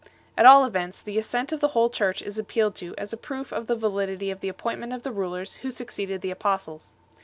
At all events, the assent of the whole Church is appealed to as a proof of the validity of the appointment of the rulers who succeeded the apostles.